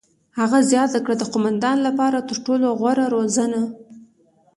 هغې زیاته کړه: "د قوماندان لپاره تر ټولو غوره روزنه.